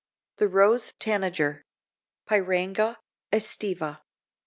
THE ROSE TANAGER. (_Pyranga aestiva.